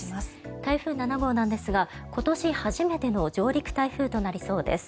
台風７号ですが今年初めての上陸台風となりそうです。